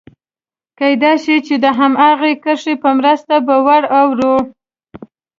کېدای شي د هماغې کرښې په مرسته به ور اوړو.